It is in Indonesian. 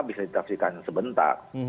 bisa ditaksikan sebentar